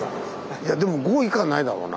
いやでも５以下ないだろうな。